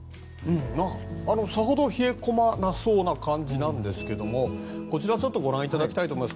さほど冷え込まなそうな感じなんですがこちら、ちょっとご覧いただきたいと思います。